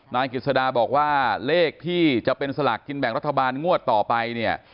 นายกิจสดาบอกว่าเลขที่จะเป็นสลากกินแบ่งรัฐบาลงวดต่อไปเนี่ย